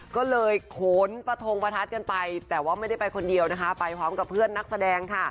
ก็เลยขนประทรงประทัศน์ไปแต่ไม่ได้ไปคนเดียวจะทำพร้อมเพื่อนนักแสดง